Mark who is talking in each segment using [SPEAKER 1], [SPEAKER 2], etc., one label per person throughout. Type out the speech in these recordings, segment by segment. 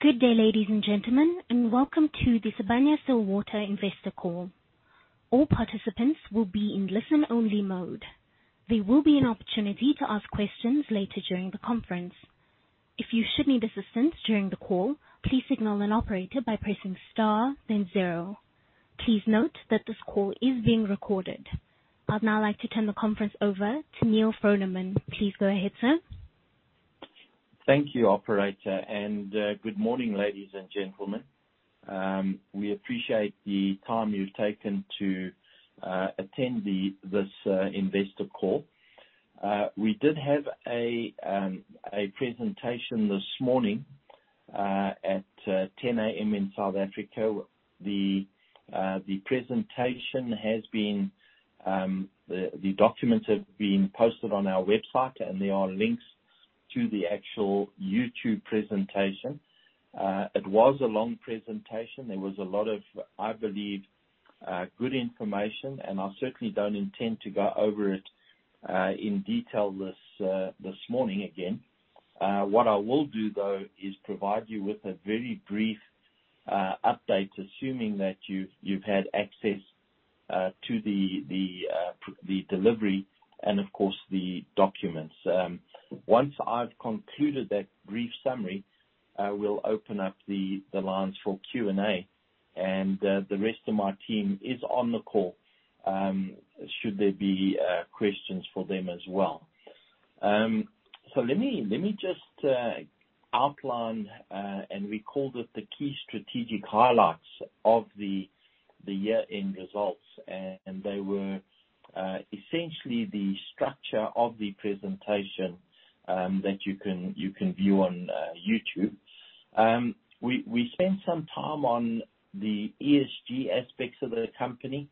[SPEAKER 1] Good day, ladies and gentlemen, welcome to the Sibanye Stillwater investor call. All participants will be in listen-only mode. There will be an opportunity to ask questions later during the conference. If you should need assistance during the call, please signal an operator by pressing star then zero. Please note that this call is being recorded. I'd now like to turn the conference over to Neal Froneman. Please go ahead, sir.
[SPEAKER 2] Thank you, operator. Good morning, ladies and gentlemen. We appreciate the time you've taken to attend this investor call. We did have a presentation this morning at 10:00 AM in South Africa. The documents have been posted on our website, and there are links to the actual YouTube presentation. It was a long presentation. There was a lot of, I believe, good information, and I certainly don't intend to go over it in detail this morning again. What I will do, though, is provide you with a very brief update, assuming that you've had access to the delivery and of course, the documents. Once I've concluded that brief summary, I will open up the lines for Q&A, and the rest of my team is on the call, should there be questions for them as well. Let me just outline and recall the key strategic highlights of the year-end results. They were essentially the structure of the presentation that you can view on YouTube. We spent some time on the ESG aspects of the company.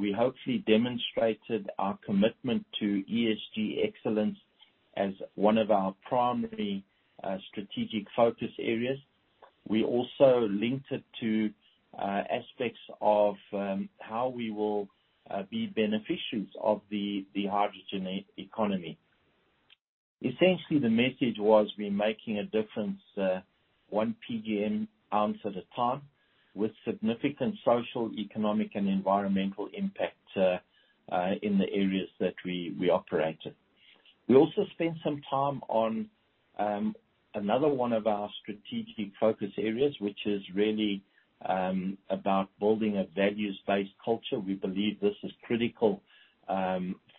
[SPEAKER 2] We hopefully demonstrated our commitment to ESG excellence as one of our primary strategic focus areas. We also linked it to aspects of how we will be beneficiaries of the hydrogen economy. Essentially, the message was we're making a difference one PGM ounce at a time, with significant social, economic, and environmental impact in the areas that we operate in. We also spent some time on another one of our strategic focus areas, which is really about building a values-based culture. We believe this is critical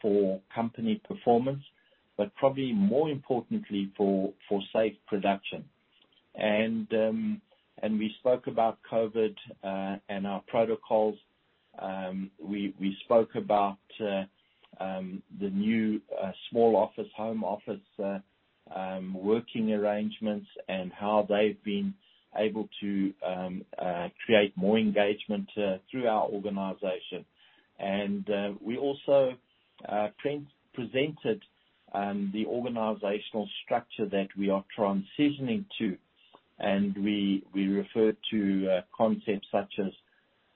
[SPEAKER 2] for company performance, but probably more importantly, for safe production. We spoke about COVID and our protocols. We spoke about the new small office, home office working arrangements and how they've been able to create more engagement through our organization. We also presented the organizational structure that we are transitioning to. We referred to concepts such as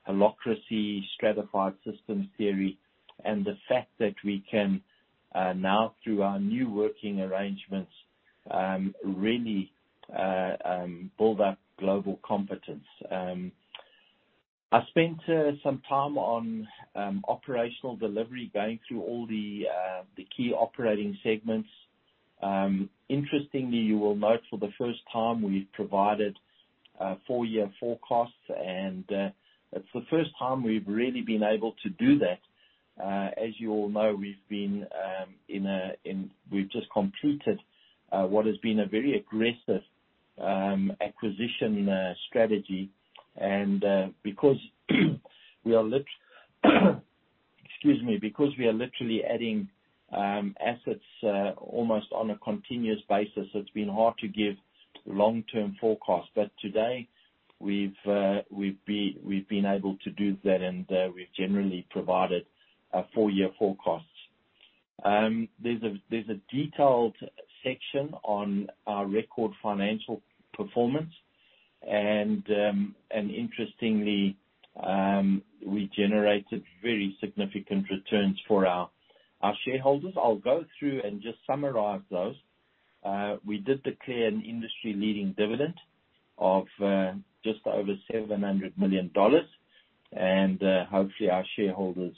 [SPEAKER 2] holacracy, stratified systems theory, and the fact that we can now, through our new working arrangements, really build up global competence. I spent some time on operational delivery, going through all the key operating segments. Interestingly, you will note for the first time, we've provided four-year forecasts, and it's the first time we've really been able to do that. As you all know, we've just completed what has been a very aggressive acquisition strategy. Because we are literally adding assets almost on a continuous basis, so it's been hard to give long-term forecasts. Today we've been able to do that, and we've generally provided four-year forecasts. There's a detailed section on our record financial performance. Interestingly, we generated very significant returns for our shareholders. I'll go through and just summarize those. We did declare an industry-leading dividend of just over $700 million. Hopefully our shareholders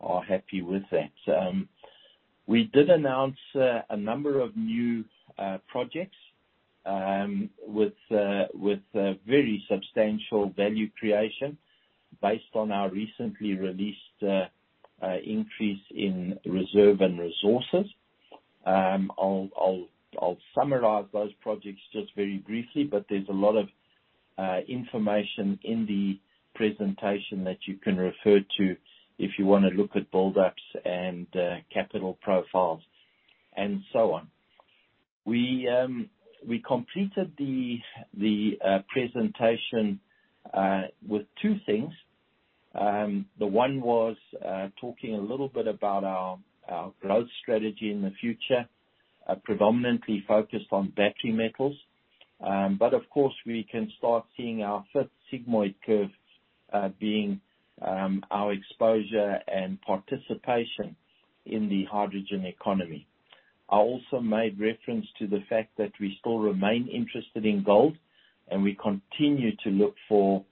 [SPEAKER 2] are happy with that. We did announce a number of new projects with very substantial value creation based on our recently released increase in reserve and resources. I'll summarize those projects just very briefly, but there's a lot of information in the presentation that you can refer to if you want to look at buildups and capital profiles and so on. We completed the presentation with two things. The one was talking a little bit about our growth strategy in the future, predominantly focused on battery metals. Of course, we can start seeing our fifth sigmoid curve being our exposure and participation in the hydrogen economy. I also made reference to the fact that we still remain interested in gold, and we continue to look for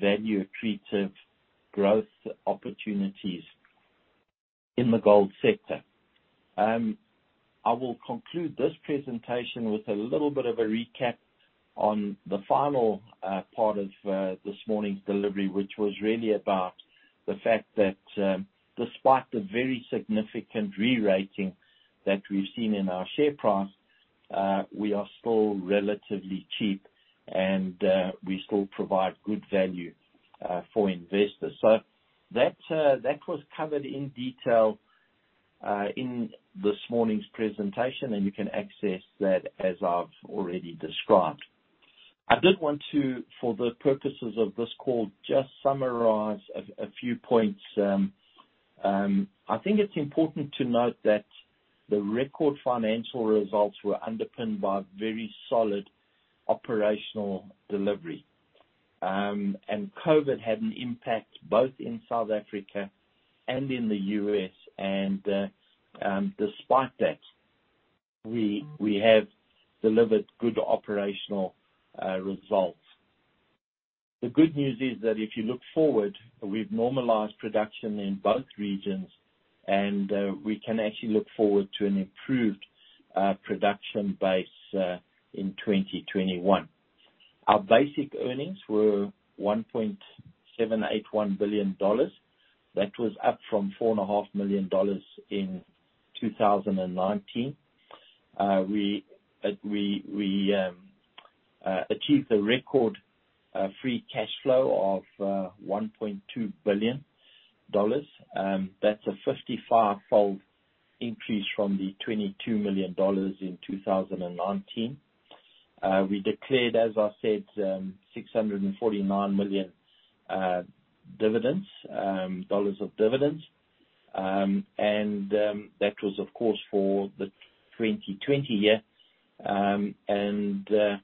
[SPEAKER 2] value-accretive growth opportunities in the gold sector. I will conclude this presentation with a little bit of a recap on the final part of this morning's delivery, which was really about the fact that despite the very significant re-rating that we've seen in our share price, we are still relatively cheap and we still provide good value for investors. That was covered in detail in this morning's presentation, and you can access that as I've already described. I did want to, for the purposes of this call, just summarize a few points. I think it's important to note that the record financial results were underpinned by very solid operational delivery. COVID had an impact both in South Africa and in the U.S., and despite that, we have delivered good operational results. The good news is that if you look forward, we've normalized production in both regions, and we can actually look forward to an improved production base in 2021. Our basic earnings were $1.781 billion. That was up from $4.5 million in 2019. We achieved a record free cash flow of $1.2 billion. That's a 55-fold increase from the $22 million in 2019. We declared, as I said, $649 million of dividends. That was, of course, for the 2020 year. That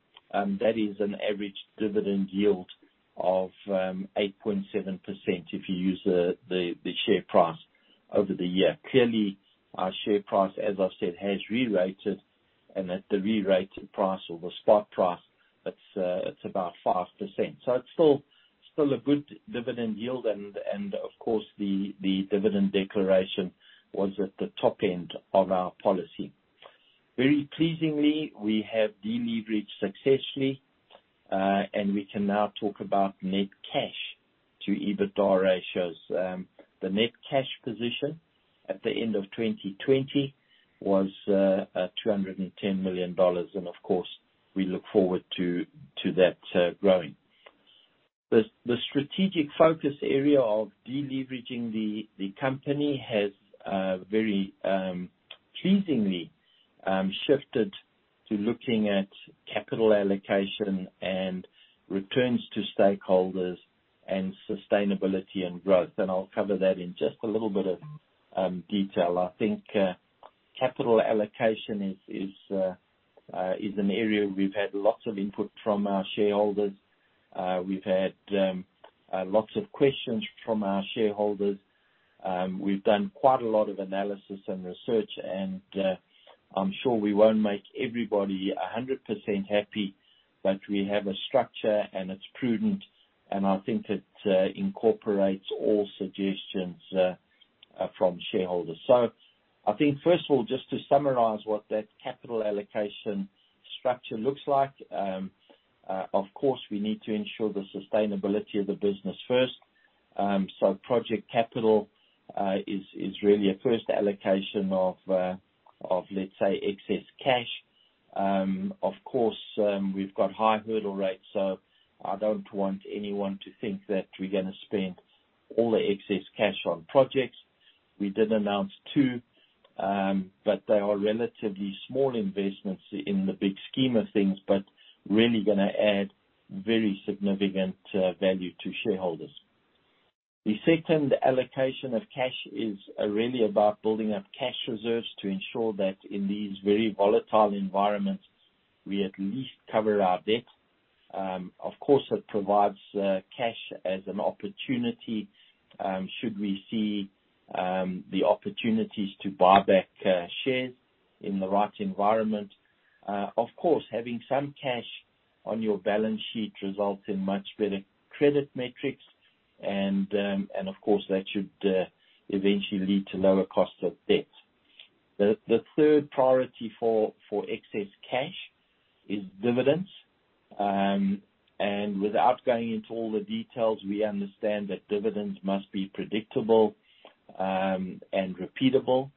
[SPEAKER 2] is an average dividend yield of 8.7% if you use the share price over the year. Clearly, our share price, as I've said, has re-rated, and at the re-rated price or the spot price, it's about 5%. It's still a good dividend yield, and of course, the dividend declaration was at the top end of our policy. Very pleasingly, we have deleveraged successfully, and we can now talk about net cash to EBITDA ratios. The net cash position at the end of 2020 was $210 million, and of course, we look forward to that growing. The strategic focus area of deleveraging the company has very pleasingly shifted to looking at capital allocation and returns to stakeholders and sustainability and growth. I'll cover that in just a little bit of detail. I think capital allocation is an area we've had lots of input from our shareholders. We've had lots of questions from our shareholders. We've done quite a lot of analysis and research, and I'm sure we won't make everybody 100% happy, but we have a structure and it's prudent, and I think it incorporates all suggestions from shareholders. I think first of all, just to summarize what that capital allocation structure looks like. Of course, we need to ensure the sustainability of the business first. Project capital is really a first allocation of, let's say, excess cash. Of course, we've got high hurdle rates, so I don't want anyone to think that we're going to spend all the excess cash on projects. We did announce two, but they are relatively small investments in the big scheme of things, but really going to add very significant value to shareholders. The second allocation of cash is really about building up cash reserves to ensure that in these very volatile environments, we at least cover our debt. Of course, it provides cash as an opportunity should we see the opportunities to buy back shares in the right environment. Of course, having some cash on your balance sheet results in much better credit metrics, and of course, that should eventually lead to lower cost of debt. The third priority for excess cash is dividends. Without going into all the details, we understand that dividends must be predictable and repeatable.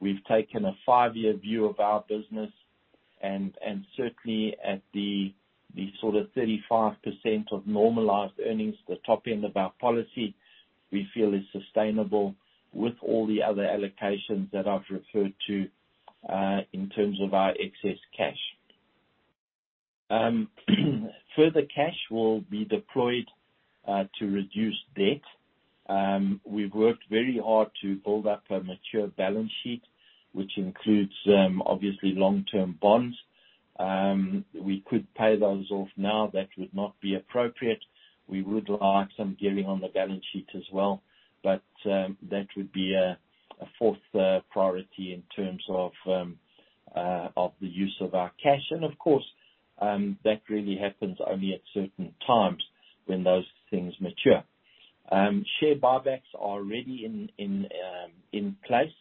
[SPEAKER 2] We've taken a five-year view of our business, and certainly at the sort of 35% of normalized earnings, the top end of our policy, we feel is sustainable with all the other allocations that I've referred to in terms of our excess cash. Further cash will be deployed to reduce debt. We've worked very hard to build up a mature balance sheet, which includes, obviously, long-term bonds. We could pay those off now. That would not be appropriate. We would like some gearing on the balance sheet as well, but that would be a fourth priority in terms of the use of our cash. Of course, that really happens only at certain times when those things mature. Share buybacks are already in place.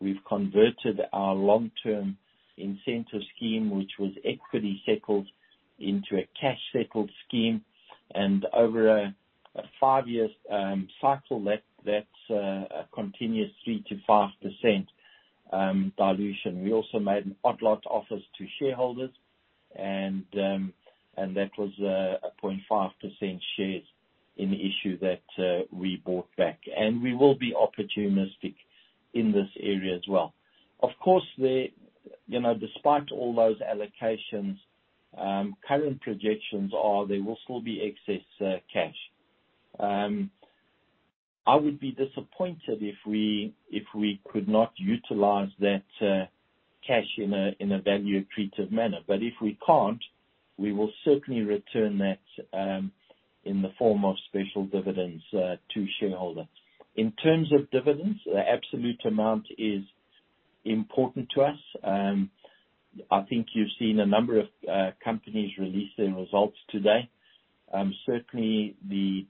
[SPEAKER 2] We've converted our long-term incentive scheme, which was equity-settled, into a cash-settled scheme. Over a five-year cycle, that's a continuous 3% to 5% dilution. We also made an odd-lot offers to shareholders. That was a 0.5% shares in the issue that we bought back. We will be opportunistic in this area as well. Of course, despite all those allocations, current projections are there will still be excess cash. I would be disappointed if we could not utilize that cash in a value-accretive manner. If we can't, we will certainly return that in the form of special dividends to shareholders. In terms of dividends, the absolute amount is important to us. I think you've seen a number of companies release their results today. Certainly, the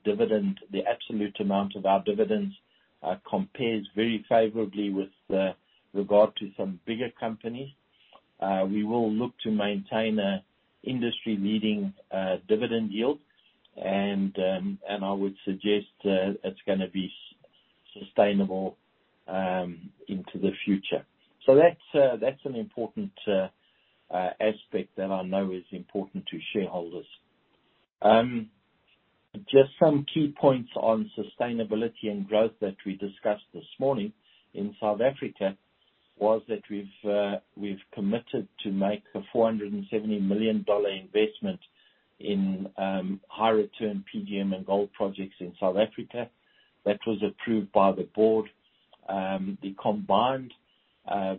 [SPEAKER 2] absolute amount of our dividends compares very favorably with regard to some bigger companies. We will look to maintain an industry-leading dividend yield, and I would suggest it's going to be sustainable into the future. That's an important aspect that I know is important to shareholders. Just some key points on sustainability and growth that we discussed this morning in South Africa was that we’ve committed to make a $470 million investment in high-return PGM and gold projects in South Africa. That was approved by the board. The combined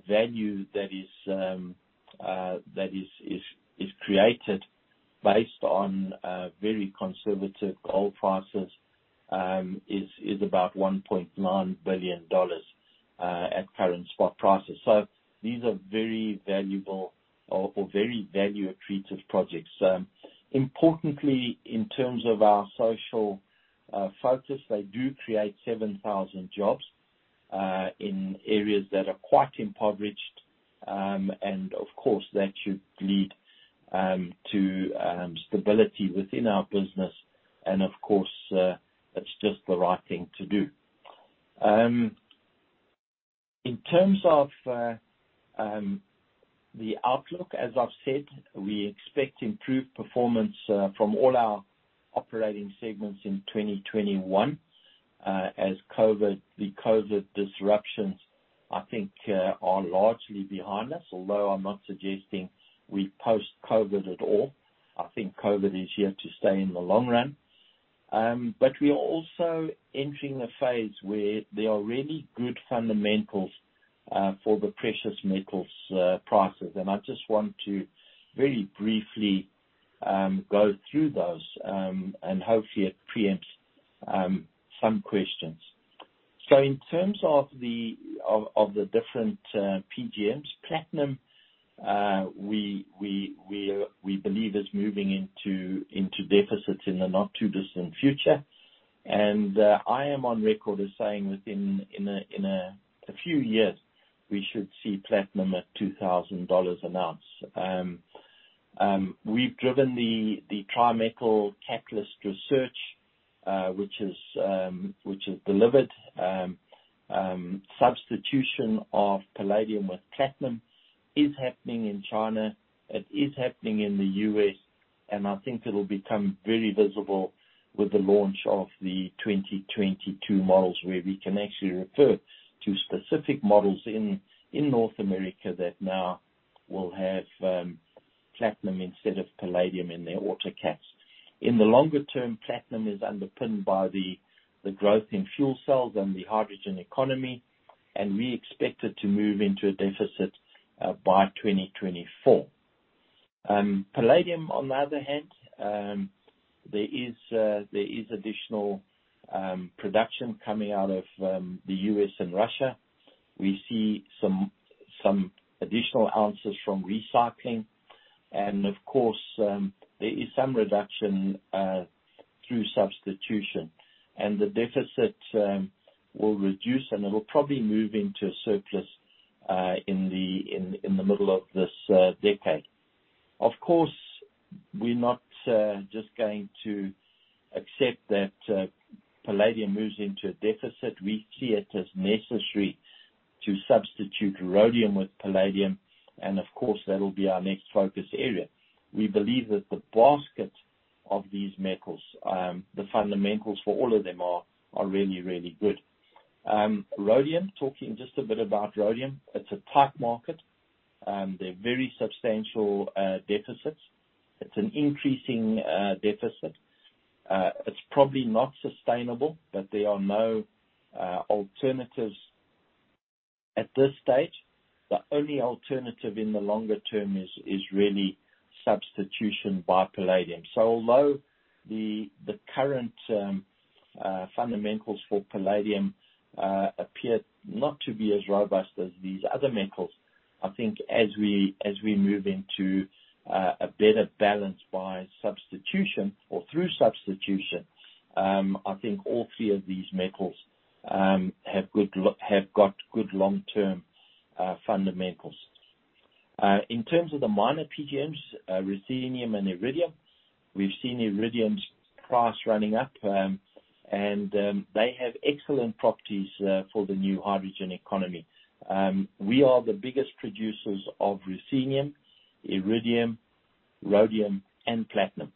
[SPEAKER 2] value that is created based on very conservative gold prices is about $1.9 billion at current spot prices. These are very valuable or very value-accretive projects. Importantly, in terms of our social focus, they do create 7,000 jobs in areas that are quite impoverished. Of course, that should lead to stability within our business. Of course, it’s just the right thing to do. In terms of the outlook, as I’ve said, we expect improved performance from all our operating segments in 2021, as the COVID disruptions, I think, are largely behind us. Although I’m not suggesting we post-COVID at all. I think COVID is here to stay in the long run. We are also entering a phase where there are really good fundamentals for the precious metals prices. I just want to very briefly go through those, and hopefully it preempts some questions. In terms of the different PGMs, platinum, we believe is moving into deficits in the not-too-distant future. I am on record as saying within a few years, we should see platinum at $2,000 an ounce. We've driven the tri-metal catalyst research, which has delivered. Substitution of palladium with platinum is happening in China, it is happening in the U.S., and I think it'll become very visible with the launch of the 2022 models, where we can actually refer to specific models in North America that now will have platinum instead of palladium in their autocats. In the longer term, platinum is underpinned by the growth in fuel cells and the hydrogen economy, and we expect it to move into a deficit by 2024. Palladium, on the other hand, there is additional production coming out of the U.S. and Russia. We see some additional ounces from recycling. Of course, there is some reduction through substitution. The deficit will reduce, and it'll probably move into a surplus in the middle of this decade. Of course, we're not just going to accept that palladium moves into a deficit. We see it as necessary to substitute rhodium with palladium, and of course, that'll be our next focus area. We believe that the basket of these metals, the fundamentals for all of them are really, really good. Rhodium, talking just a bit about rhodium. It's a tight market. There are very substantial deficits. It's an increasing deficit. It's probably not sustainable, but there are no alternatives at this stage. The only alternative in the longer term is really substitution by palladium. Although the current fundamentals for palladium appear not to be as robust as these other metals, I think as we move into a better balance by substitution or through substitution, I think all three of these metals have got good long-term fundamentals. In terms of the minor PGMs, ruthenium and iridium, we've seen iridium's price running up, and they have excellent properties for the new hydrogen economy. We are the biggest producers of ruthenium, iridium, rhodium, and platinum.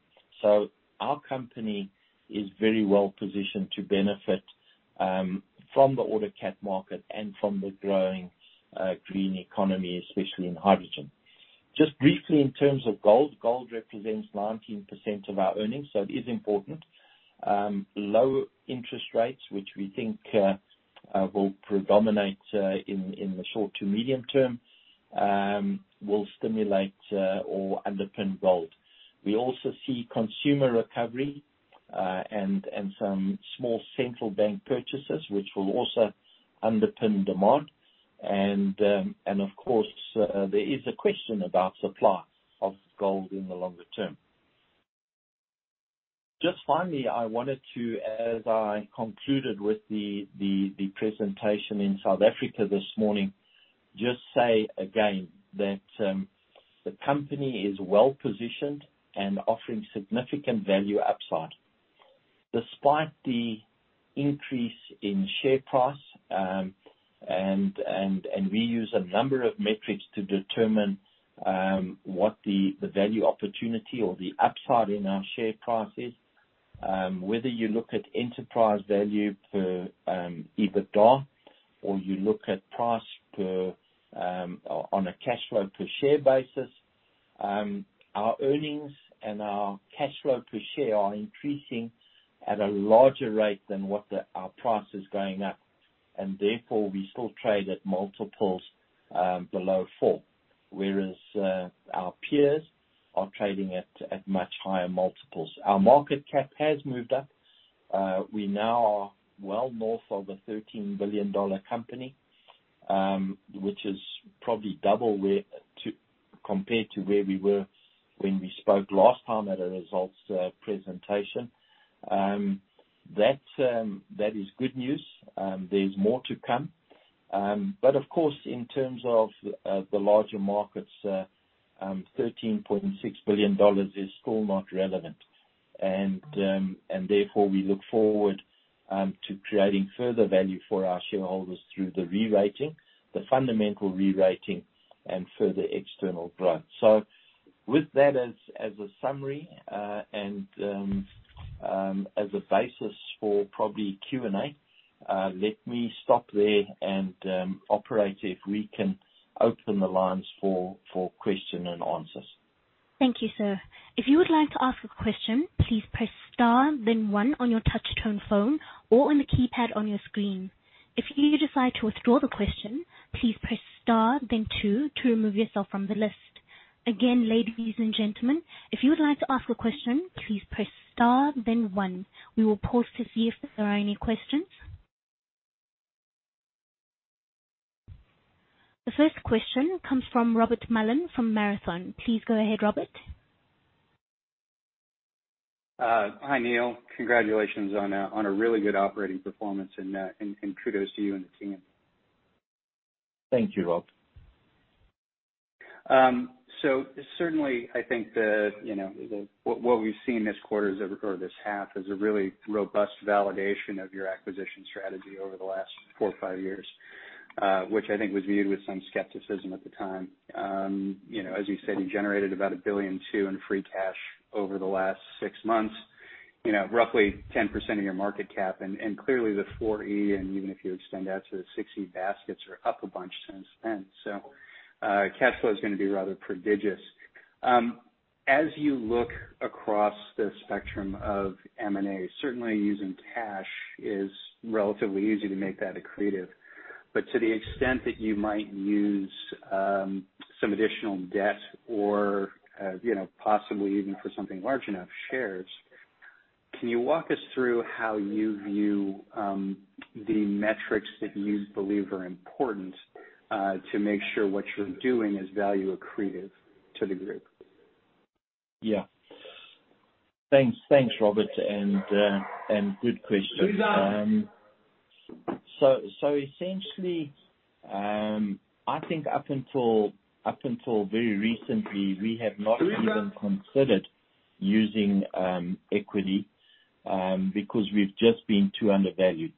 [SPEAKER 2] Our company is very well-positioned to benefit from the autocat market and from the growing green economy, especially in hydrogen. Just briefly in terms of gold represents 19% of our earnings, so it is important. Low interest rates, which we think will predominate in the short to medium term, will stimulate or underpin gold. We also see consumer recovery and some small central bank purchases, which will also underpin demand. Of course, there is a question about supply of gold in the longer term. Just finally, I wanted to, as I concluded with the presentation in South Africa this morning, just say again that the company is well-positioned and offering significant value upside. Despite the increase in share price, we use a number of metrics to determine what the value opportunity or the upside in our share price is. Whether you look at enterprise value per EBITDA or you look at price on a cash flow per share basis, our earnings and our cash flow per share are increasing at a larger rate than what our price is going up, and therefore, we still trade at multiples below four. Whereas our peers are trading at much higher multiples. Our market cap has moved up. We now are well north of a $13 billion company, which is probably double compared to where we were when we spoke last time at a results presentation. That is good news. There's more to come. Of course, in terms of the larger markets, $13.6 billion is still not relevant. Therefore, we look forward to creating further value for our shareholders through the fundamental rerating and further external growth. With that as a summary, and as a basis for probably Q&A, let me stop there and, operator, if we can open the lines for question and answers.
[SPEAKER 1] Thank you, sir. If you would like to ask a question, please press star then one on your touch-tone phone or on the keypad on your screen. If you decide to withdraw the question, please press star then two to remove yourself from the list. Again, ladies and gentlemen, if you would like to ask a question, please press star then one. We will pause to see if there are any questions. The first question comes from Robert Mullin from Marathon. Please go ahead, Robert.
[SPEAKER 3] Hi, Neal. Congratulations on a really good operating performance and kudos to you and the team.
[SPEAKER 2] Thank you, Rob.
[SPEAKER 3] Certainly, I think what we've seen this quarter or this half is a really robust validation of your acquisition strategy over the last four or five years, which I think was viewed with some skepticism at the time. As you said, you generated about 1.2 billion in free cash over the last six months, roughly 10% of your market cap. Clearly the 4E, and even if you extend out to the 6E baskets, are up a bunch since then. Cash flow is gonna be rather prodigious. As you look across the spectrum of M&A, certainly using cash is relatively easy to make that accretive. To the extent that you might use some additional debt or possibly even for something large enough, shares, can you walk us through how you view the metrics that you believe are important to make sure what you're doing is value accretive to the group?
[SPEAKER 2] Thanks, Robert. Good question. Essentially, I think up until very recently, we have not even considered using equity because we've just been too undervalued.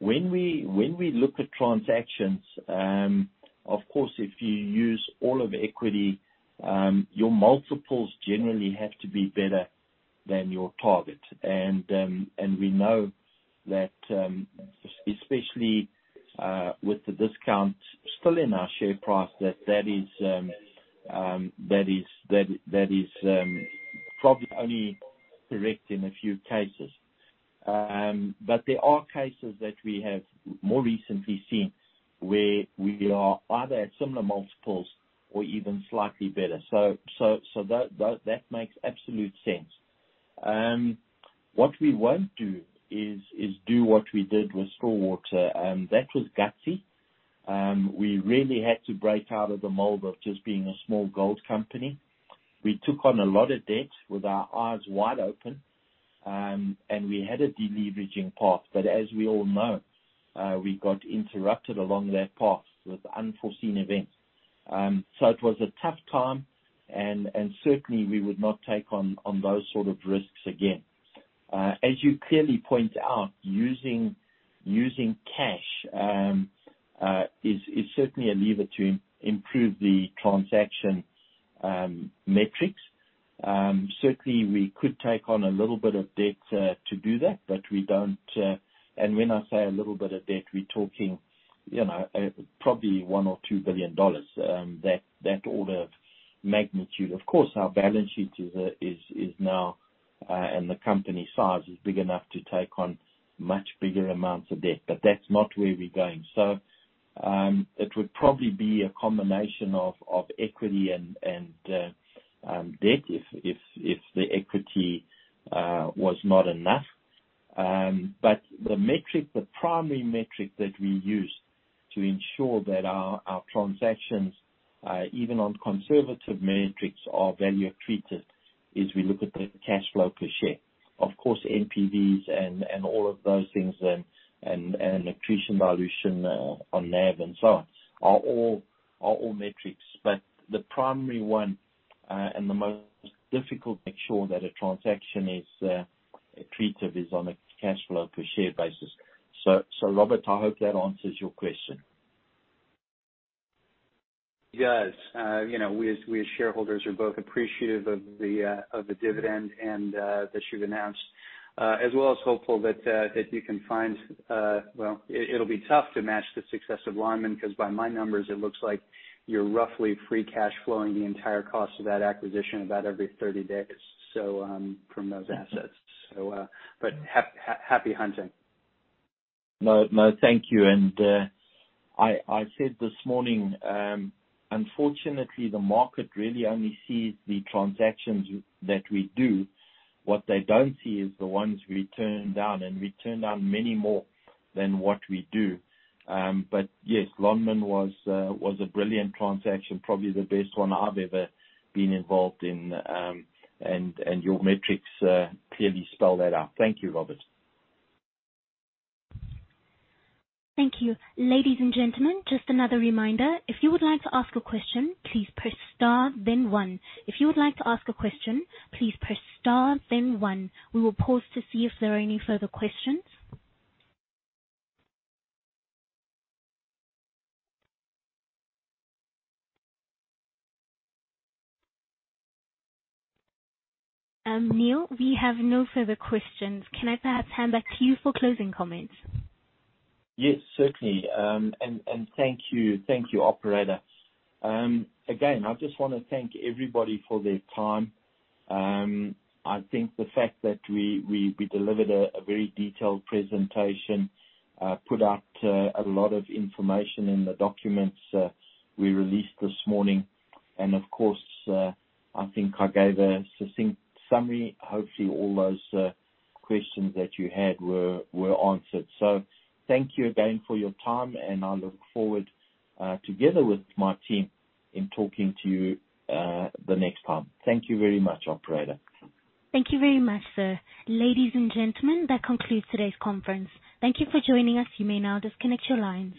[SPEAKER 2] When we look at transactions, of course, if you use all of equity, your multiples generally have to be better than your target. We know that, especially with the discount still in our share price, that is probably only direct in a few cases. There are cases that we have more recently seen where we are either at similar multiples or even slightly better. That makes absolute sense. What we won't do is do what we did with Stillwater. That was gutsy. We really had to break out of the mold of just being a small gold company. We took on a lot of debt with our eyes wide open, and we had a deleveraging path. As we all know, we got interrupted along that path with unforeseen events. It was a tough time, and certainly, we would not take on those sort of risks again. As you clearly point out, using cash is certainly a lever to improve the transaction metrics. Certainly, we could take on a little bit of debt to do that, but we don't. When I say a little bit of debt, we're talking probably $1 billion or $2 billion, that order of magnitude. Of course, our balance sheet is now, and the company size is big enough to take on much bigger amounts of debt. That's not where we're going. It would probably be a combination of equity and debt if the equity was not enough. The primary metric that we use to ensure that our transactions, even on conservative metrics, are value accretive, is we look at the cash flow per share. Of course, NPVs and all of those things and accretion/dilution on NAV and so on are all metrics. The primary one, and the most difficult to make sure that a transaction is accretive, is on a cash flow per share basis. Robert, I hope that answers your question.
[SPEAKER 3] It does. We as shareholders are both appreciative of the dividend that you've announced, as well as hopeful that you can well, it'll be tough to match the success of Lonmin, because by my numbers, it looks like you're roughly free cash flowing the entire cost of that acquisition about every 30 days from those assets. Happy hunting.
[SPEAKER 2] No, thank you. I said this morning, unfortunately, the market really only sees the transactions that we do. What they don't see is the ones we turn down, and we turn down many more than what we do. Yes, Lonmin was a brilliant transaction, probably the best one I've ever been involved in. Your metrics clearly spell that out. Thank you, Robert.
[SPEAKER 1] Thank you. Ladies and gentlemen, just another reminder, if you would like to ask a question, please press star then one. If you would like to ask a question, please press star then one. We will pause to see if there are any further questions. Neal, we have no further questions. Can I perhaps hand back to you for closing comments?
[SPEAKER 2] Yes, certainly. Thank you, operator. Again, I just want to thank everybody for their time. I think the fact that we delivered a very detailed presentation, put out a lot of information in the documents we released this morning, and of course, I think I gave a succinct summary. Hopefully, all those questions that you had were answered. Thank you again for your time, and I look forward, together with my team, in talking to you the next time. Thank you very much, operator.
[SPEAKER 1] Thank you very much, sir. Ladies and gentlemen, that concludes today's conference. Thank you for joining us. You may now disconnect your lines.